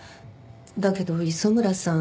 だけど磯村さん